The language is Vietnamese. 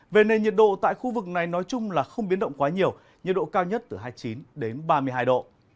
về nền nhiệt độ tại khu vực này nói chung là không biến động quá nhiều nhiệt độ cao nhất từ hai mươi chín đến ba mươi hai độ